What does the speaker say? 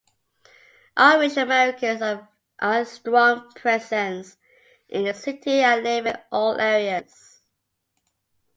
Irish-Americans are a strong presence in the city and live in all areas.